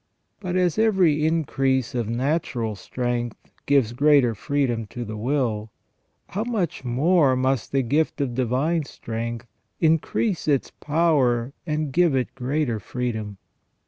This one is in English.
But as every increase of natural strength gives greater freedom to the will, how much more must the gift of divine strength increase its power and give it greater freedom.